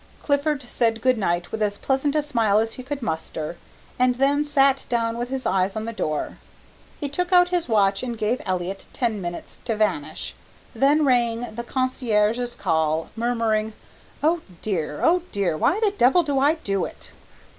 Clifford said good night with as pleasant a smile as he could muster, and then sat down with his eyes on the door. He took out his watch and gave Elliott ten minutes to vanish, then rang the concierge's call, murmuring, "Oh dear, oh dear, why the devil do I do it?"